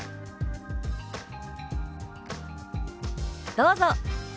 どうぞ。